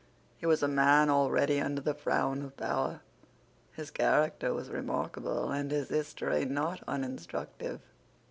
He was a man already under the frown of power. His character was remarkable, and his history not uninstructive.